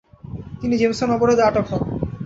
তিনি জেমসন অবরোধে আটক হন।